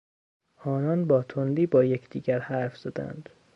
آنان با تندی با یکدیگر حرف زدند.